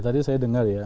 tadi saya dengar ya